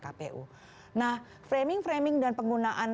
kpu nah framing framing dan penggunaan